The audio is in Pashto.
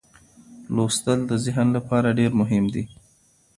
لوستل د ذهن لپاره ډېر مهم دي.